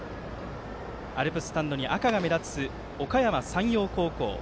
アルプススタンドに赤が目立つおかやま山陽高校。